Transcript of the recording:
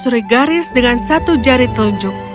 dia menelusuri garis dengan satu jari telunjuk